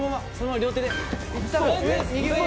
両手で。